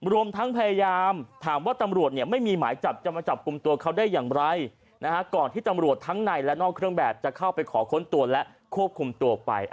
รวมทั้งพยายามถามว่าตำรวจเนี่ยไม่มีหมายจับจะมาจับกลุ่มตัวเขาได้อย่างไรก่อนที่ตำรวจทั้งในและนอกเครื่องแบบจะเข้าไปขอค้นตัวและควบคุมตัวไป